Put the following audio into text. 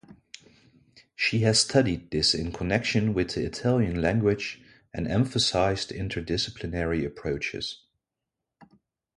She has studied this in connection with the Italian language and emphasized interdisciplinary approaches.